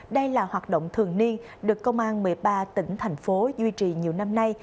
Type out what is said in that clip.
đây là hoạt động thường niên được công an một mươi ba tỉnh thành phố duy trì nhiều năm nay